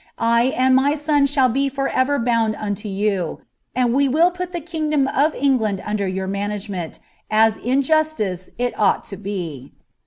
I and my «m shall be for ever bound unio you, and we will put the kingdom of England under your management, as in justice it ought to be."